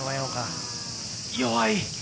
弱い。